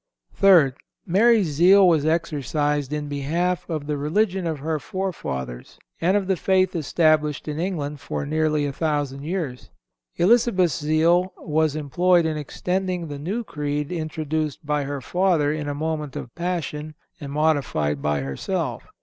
Third—Mary's zeal was exercised in behalf of the religion of her forefathers, and of the faith established in England for nearly a thousand years. Elizabeth's zeal was employed in extending the new creed introduced by her father in a moment of passion, and modified by herself.